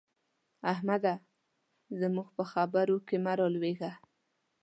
احمده! زموږ په خبرو کې مه رالوېږه.